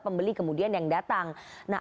pembeli kemudian yang datang nah